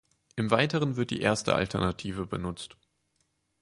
Im Weiteren wird die erste Alternative benutzt.